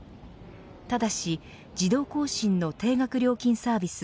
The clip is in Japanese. ただし自動更新の定額料金サービス